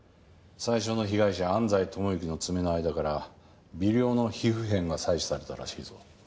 最初の被害者安西友幸の爪の間から微量の皮膚片が採取されたらしいぞ。